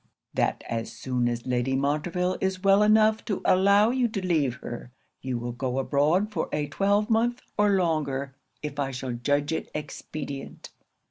'"That as soon as Lady Montreville is well enough to allow you to leave her, you will go abroad for a twelvemonth or longer if I shall judge it expedient."